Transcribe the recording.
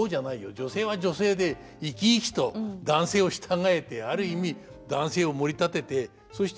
女性は女性で生き生きと男性を従えてある意味男性をもり立ててそして